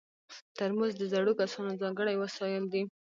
ترموز د زړو کسانو ځانګړی وسایل دي.